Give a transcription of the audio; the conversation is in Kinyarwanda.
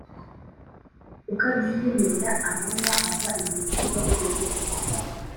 ukabyiyemerera amanywa ava ibintu biba bigeze iwa Ndabaga